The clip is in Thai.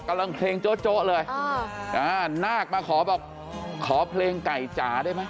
กำลังเพลงโจ๊ะเลยนาคมาขอบอกขอเพลงไก่จ๋าได้ไหม